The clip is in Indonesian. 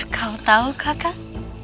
kau tahu kakak